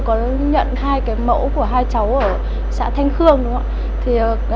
có nhận hai cái mẫu của hai cháu ở xã thanh khương đúng không ạ